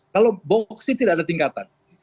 kalau boksit tidak ada tingkatan